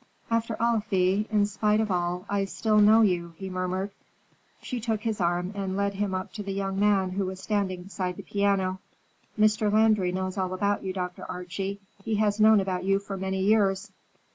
"After all, Thea,—in spite of all, I still know you," he murmured. She took his arm and led him up to the young man who was standing beside the piano. "Mr. Landry knows all about you, Dr. Archie. He has known about you for many years."